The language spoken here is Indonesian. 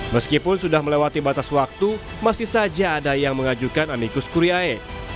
meskipun sudah melewati batas waktu masih saja ada yang mengajukan amikus kuriae